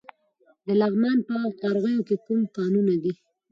د لغمان په قرغیو کې کوم کانونه دي؟